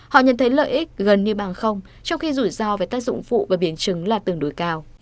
họ nhận thấy lợi ích gần như bằng không trong khi rủi ro về tác dụng phụ và biến chứng là tương đối cao